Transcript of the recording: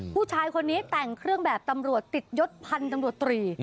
ผู้ชายคนนี้แต่งเครื่องแบบตำรวจติดยศพันธุ์ตำรวจตรี